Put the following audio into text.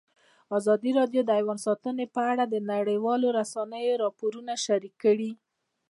ازادي راډیو د حیوان ساتنه په اړه د نړیوالو رسنیو راپورونه شریک کړي.